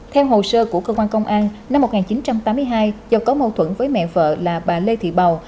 theo hồ sơ của công an tp cn năm một nghìn chín trăm tám mươi hai do có mâu thuẫn với mẹ vợ là bà lê thị bầu